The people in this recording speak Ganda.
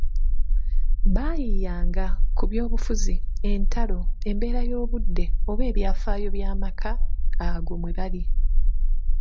Baayiiiyanga ku by’obubufuzi, entalo, embeera y’obudde oba ebyafaayo by'amaka ago mwe bali.